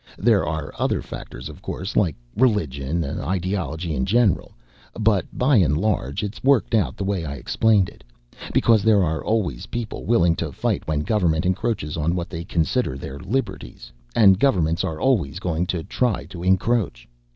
There are other factors, of course, like religion ideology in general. But by and large, it's worked out the way I explained it. Because there are always people willing to fight when government encroaches on what they consider their liberties, and governments are always going to try to encroach.